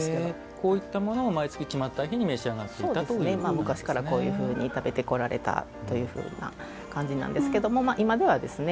こういったものを毎月決まった日に昔からこういうふうに食べてこられたというふうな感じなんですけども今ではですね